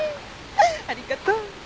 ありがとう。